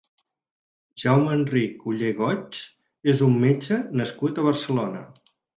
Jaume Enric Ollé-Goig és un metge nascut a Barcelona.